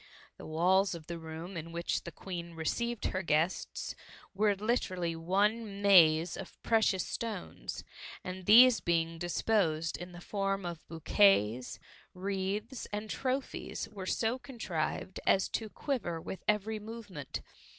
The walls of the room in which the Queen received her guests, were literally one Uaze of precious stones, and these being disposed in the form of bouquets, wreaths, and trophies, were so contrived as to quiver with every movement.